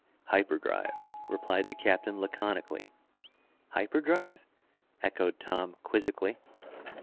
"Hyperdrive," replied the captain laconically. "Hyperdrive?" echoed Tom quizzically.